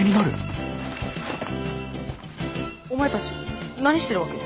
お前たち何してるわけ？